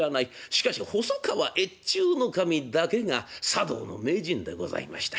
しかし細川越中守だけが茶道の名人でございました。